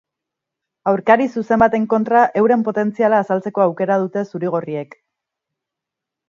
Aurkari zuzen baten kontra euren potentziala azaltzeko aukera dute zuri-gorriek.